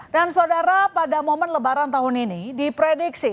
dan saudara pada momen lebaran tahun ini diprediksi